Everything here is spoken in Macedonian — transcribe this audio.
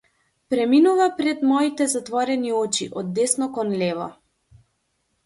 Преминува пред моите затворени очи од десно кон лево.